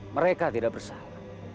mereka tidak bersalah